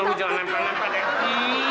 enggak lo jangan naik naik pada aku